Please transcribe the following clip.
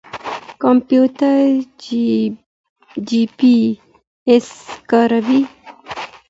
کمپيوټر جيپي اېس کاروي.